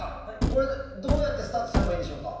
これどうやってスタートすればいいんでしょうか。